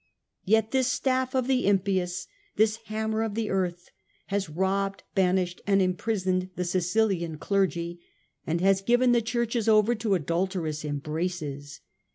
Yet this staff of the impious, this hammer of the earth, has robbed, banished, and imprisoned the Sicilian clergy, and has given the Churches over to adulterous embraces.